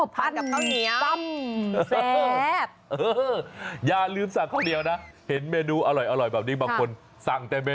พันกับข้าวเหนียวส้มแซ่บ